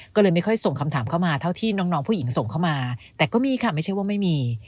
ก็เลยไม่ค่อยส่งคำถามเข้ามาเท่าที่น้องผู้หญิงส่งเข้ามาแต่ก็มีค่ะไม่ใช่ว่าไม่มี